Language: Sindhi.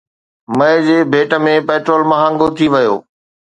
مئي جي ڀيٽ ۾ پيٽرول مهانگو ٿي ويو